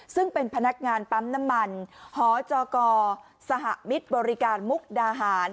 ซึ่งเป็นพนักงานปั๊มน้ำมันหจกสหมิตรบริการมุกดาหาร